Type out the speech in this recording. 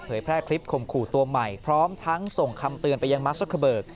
แพร่คลิปข่มขู่ตัวใหม่พร้อมทั้งส่งคำเตือนไปยังมัสเกอร์เบิก